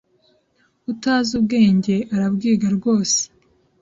Utazi ubwenge arabwiga rwose